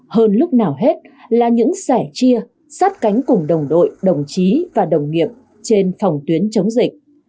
hơn lúc nào hết là những sẻ chia sát cánh cùng đồng đội đồng chí và đồng nghiệp trên phòng tuyến chống dịch